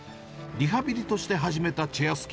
リハビリとして始めたチェア